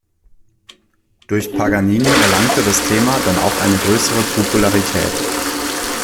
Durch Paganini erlangte das Thema dann auch eine größere Popularität.